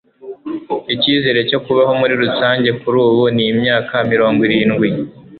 Icyizere cyo kubaho muri rusange kuri ubu ni imyaka mirongwirindwi